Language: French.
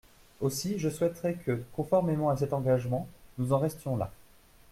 Aussi, je souhaiterais que, conformément à cet engagement, nous en restions là.